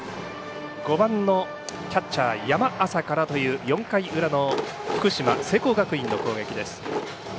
５番のキャッチャー山浅からという４回裏の福島聖光学院の攻撃です。